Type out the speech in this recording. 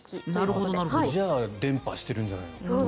じゃあ伝播してるんじゃないかな。